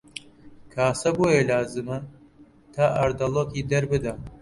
کاسە بۆیە لازمە تا ئاردەڵۆکی دەربدا